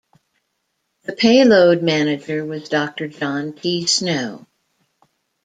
The Payload Manager was Doctor John T. Snow.